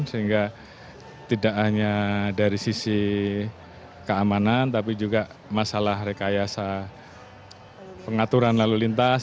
sehingga tidak hanya dari sisi keamanan tapi juga masalah rekayasa pengaturan lalu lintas